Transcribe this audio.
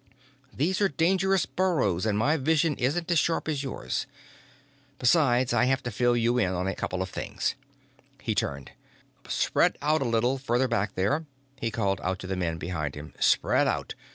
These are dangerous burrows and my vision isn't as sharp as yours. Besides, I have to fill you in on a couple of things." He turned. "Spread out a little farther back there," he called out to the men behind him. "Spread out!